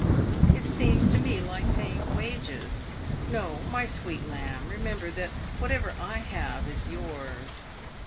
It seems to me like paying wages. No, my sweet lamb, remember that whatever I have is yours."